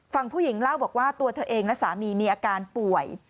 ฝั่งผู้หญิงเล่าบอกว่าตัวเธอเองและสามีมีอาการป่วย